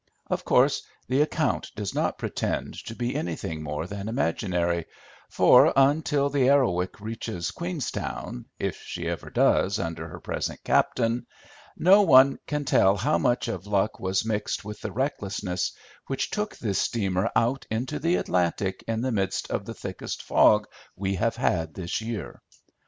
Of course the account does not pretend to be anything more than imaginary, for, until the Arrowic reaches Queenstown, if she ever does under her present captain, no one can tell how much of luck was mixed with the recklessness which took this steamer out into the Atlantic in the midst of the thickest fog we have had this year.